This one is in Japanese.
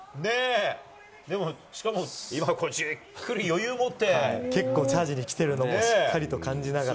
でも、しかも、今、結構、チャージにきてるのをしっかりと感じながら。